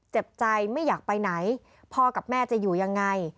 เจ็บใจไม่อยากไปไหนพ่อกับแม่จะอยู่ยังไง